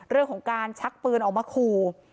เรื่องของการชักปืนออกมาขู่